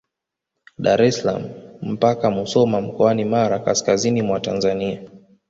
Dar es salaam mpaka Musoma mkoani Mara kaskazini mwa Tanzania